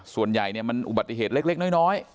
ส่วนใหญ่เนี้ยมันอุบัติเหตุเล็กเล็กน้อยน้อย